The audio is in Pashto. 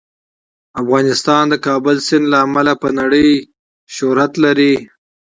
افغانستان د کابل سیند له امله په نړۍ شهرت لري.